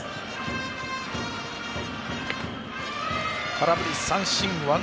空振り三振。